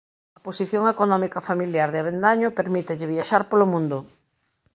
A posición económica familiar de Avendaño permítelle viaxar polo mundo.